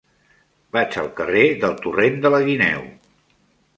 Vaig al carrer del Torrent de la Guineu.